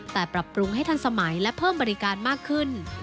แต่ปรับปรุงให้ทันสมัยและเพิ่มบริการมากขึ้น